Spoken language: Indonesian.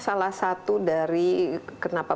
salah satu dari kenapa